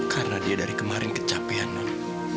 karena dia dari kemarin kecapean non